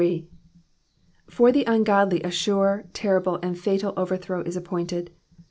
For the ungodly a sure, terrible, and fatal overthrow is appointed.